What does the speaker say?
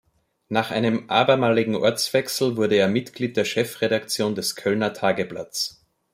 Nach einem abermaligen Ortswechsel wurde er Mitglied der Chefredaktion des "Kölner Tageblatts".